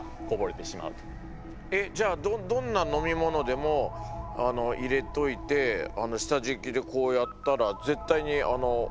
えじゃあどんな飲み物でも入れといて下じきでこうやったら絶対に落ちないんですか？